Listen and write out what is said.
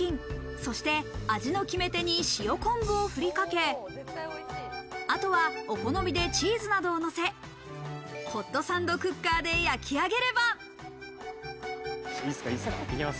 そして、味の決め手に塩昆布をふりかけ、あとはお好みでチーズなどをのせ、ホットサンドクッカーで焼き上げれば。